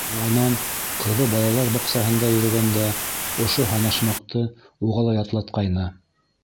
Һуңынан ҡыҙы балалар баҡсаһында йөрөгәндә ошо һанашмаҡты уға ла ятлатҡайны.